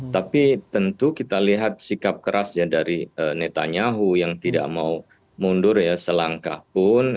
tapi tentu kita lihat sikap kerasnya dari netanyahu yang tidak mau mundur ya selangkah pun